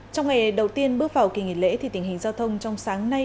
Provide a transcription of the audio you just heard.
trong ngày đầu tiên bước vào kỳ nghỉ lễ thì tình hình giao thông trong sáng nay